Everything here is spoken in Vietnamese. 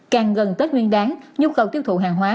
càng gần tết nguyên đáng nhu cầu tiêu thụ hàng hóa